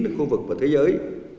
trong khu vực và thế giới